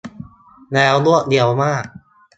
แล้วรวดเร็วมาก